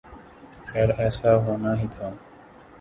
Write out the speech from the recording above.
خیر ایسا ہونا ہی تھا۔